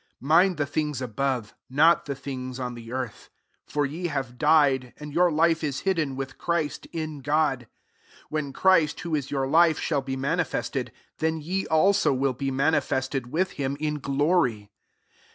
2 Mind the things above, not the things on the earth. 3 For ye have died, and your life is hidden with Christ in God. 4 When Christ, who i§ your life, shall be mani fested, then ye also will be ma nifested with him in glory.